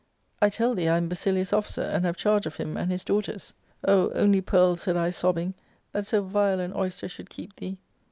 I tell thee I am Basilius' officer, and have charge of him and his daughters.' * O, only pearl,' said I, sobbing, * that sqjnle an oyster should keep thee !'